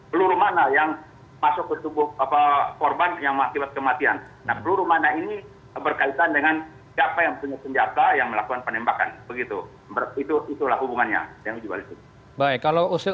peluru mana yang masuk ke tubuh korban yang mengakibat kematian nah peluru mana ini berkaitan dengan siapa yang punya senjata yang melakukan penembakan begitu itulah hubungannya